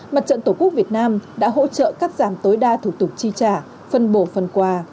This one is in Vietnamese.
mặt trận tổ quốc việt nam đã hỗ trợ cắt giảm tối đa thủ tục chi trả phân bổ phần quà